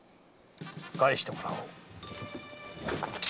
返してもらおう。